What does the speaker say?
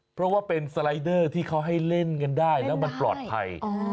เพราะว่าเป็นสไลเดอร์ที่เขาให้เล่นกันได้แล้วมันปลอดภัย